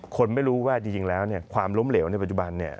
คนไม่รู้ว่าจริงแล้วความล้มเหลวในปัจจุบันเนี่ย